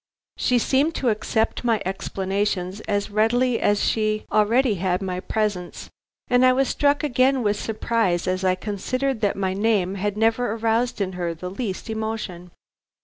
She seemed to accept my explanations as readily as she already had my presence, and I was struck again with surprise as I considered that my name had never aroused in her the least emotion.